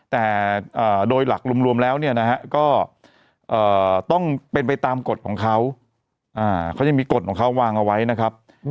แต่โดยหลักรวมแล้วเนี่ยนะฮะก็ต้องเป็นไปตามกฎของเขาเขายังมีกฎของเขาวางเอาไว้นะครับ